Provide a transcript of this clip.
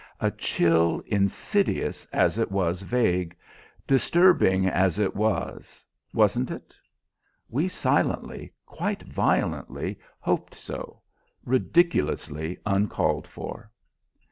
A chill insidious as it was vague, disturbing as it was wasn't it? we silently, quite violently, hoped so ridiculously uncalled for.